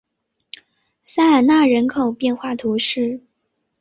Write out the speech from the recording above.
塞尔奈人口变化图示